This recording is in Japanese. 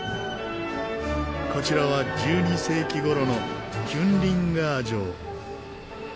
こちらは１２世紀頃のキュンリンガー城。